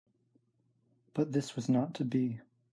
But this was not to be.